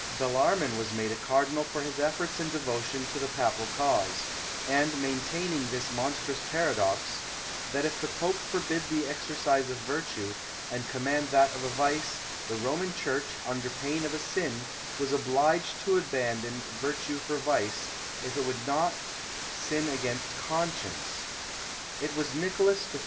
Bellarmin was made a cardinal for his efforts and devotion to the papal cause, and maintaining this monstrous paradox, that if the pope forbid the exercise of virtue, and command that of vice, the Roman church, under pain of a sin, was obliged to abandon virtue for vice, if it would not sin against conscience! It was Nicholas I.